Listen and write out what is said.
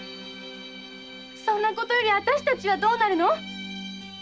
そんなことより私たちはどうなるの？